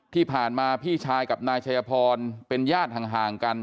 ที่ผ่านมาพี่ชายกับนายชัยพรเป็นญาติห่างกัน